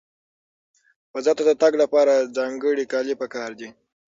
فضا ته د تګ لپاره ځانګړي کالي پکار دي.